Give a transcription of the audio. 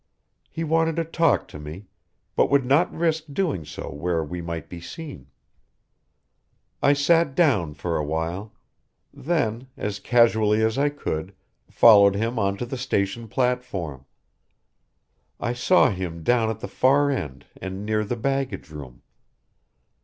He wanted to talk to me, but would not risk doing so where we might be seen. I sat down for awhile, then, as casually as I could, followed him onto the station platform. I saw him down at the far end near the baggage room.